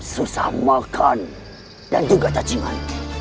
susah makan dan juga caciman